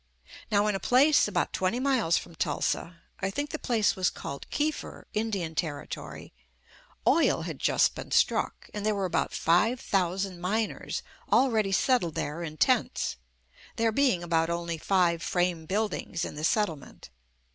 Now in a place about twenty miles from Tulsa JUST ME — I think the place was called Kiefer, Indian Territory — oil had just been struck, and there were about five thousand miners already settled there in tents ; there being only about five frame buildings in the settlement.